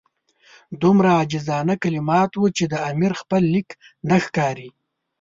دومره عاجزانه کلمات وو چې د امیر خپل لیک نه ښکاري.